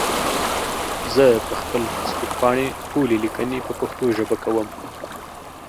زه پخپل فيسبوک پاڼې ټولي ليکني په پښتو ژبه کوم